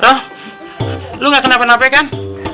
roh lu gak kenapa napa kan